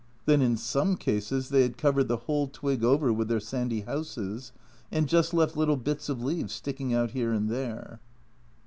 Then in some cases they had covered the whole twig over with their sandy houses, and just left little bits of leaves sticking out here and there.